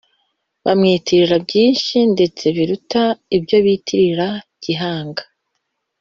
bamwitirira byinshi, ndetse biruta ibyo bitirira gihanga.